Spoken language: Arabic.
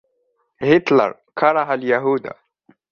هتلر كره اليهود.